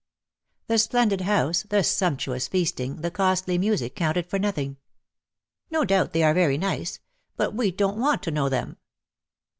The splendid house, the sumptuous feasting, the costly music counted for nothing. "No doubt they are very nice; but we don't want to know them."